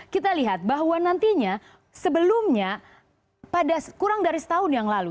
kita lihat bahwa nantinya sebelumnya pada kurang dari setahun yang lalu